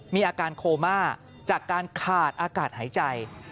มีอาการโคม่าจากการขาดอากาศหายใจ